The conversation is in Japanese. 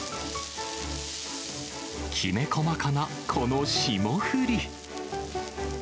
きめ細かなこの霜降り。